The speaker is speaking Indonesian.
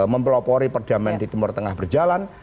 mempelopori perdamaian di timur tengah berjalan